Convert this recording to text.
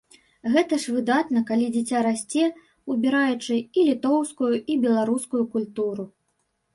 Гэта ж выдатна, калі дзіця расце, убіраючы і рускую, і літоўскую, і беларускую культуру.